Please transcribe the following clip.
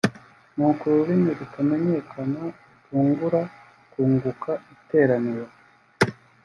nuko ururimi rutamenyekana rutungura (kunguka) iteraniro